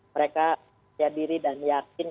mereka siadiri dan yakin